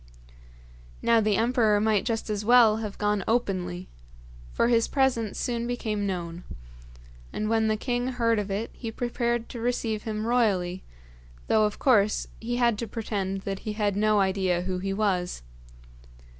Now the emperor might just as well have gone openly, for his presence soon became known; and when the king heard of it he prepared to receive him royally, though of course he had to pretend that he had no idea who he was.